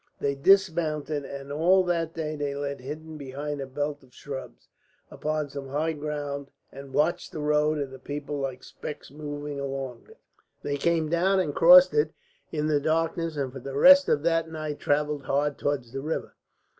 They dismounted, and all that day they lay hidden behind a belt of shrubs upon some high ground and watched the road and the people like specks moving along it. They came down and crossed it in the darkness, and for the rest of that night travelled hard towards the river.